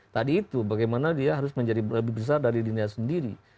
tadi itu bagaimana dia harus menjadi lebih besar dari dunia sendiri